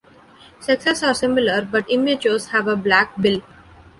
Sexes are similar, but immatures have a black bill.